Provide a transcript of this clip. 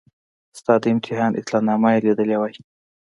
ستا د امتحان اطلاع نامه یې لیدلې وای.